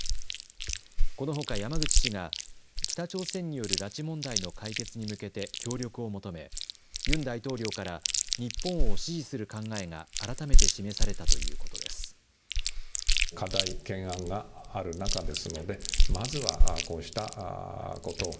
このほか、山口氏が北朝鮮による拉致問題の解決に向けて協力を求め、ユン大統領から日本を支持する考えがあらためて示されたということです。